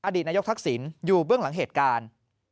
ดีตนายกทักษิณอยู่เบื้องหลังเหตุการณ์